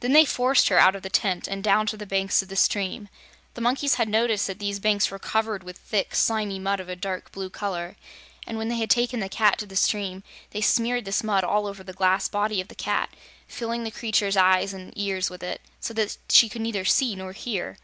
Then they forced her out of the tent and down to the banks of the stream. The monkeys had noticed that these banks were covered with thick, slimy mud of a dark blue color, and when they had taken the Cat to the stream, they smeared this mud all over the glass body of the cat, filling the creature's ears and eyes with it, so that she could neither see nor hear.